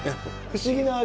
不思議な味。